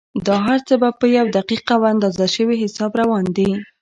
دا هر څه په یو دقیق او اندازه شوي حساب روان دي.